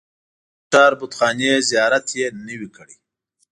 د هغه ښار بتخانې زیارت یې نه وي کړی.